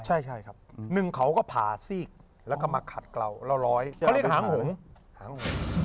ใช่ครับหนึ่งเขาก็ผ่าซีกแล้วก็มาขัดกล่าวแล้วร้อยเขาเรียกหางหง